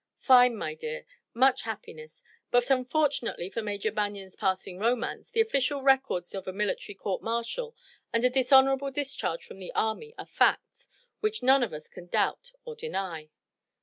"Fine, my dear! Much happiness! But unfortunately for Major Banion's passing romance, the official records of a military court martial and a dishonorable discharge from the Army are facts which none of us can doubt or deny."